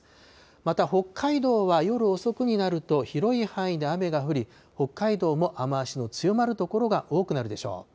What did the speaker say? また北海道は夜遅くになると広い範囲で雨が降り、北海道も雨足の強まる所が多くなるでしょう。